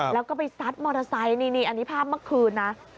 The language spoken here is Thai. แล้วก็ไปซัดมอเตอร์ไซค์นี่อันนี้ภาพเมื่อคืนนะ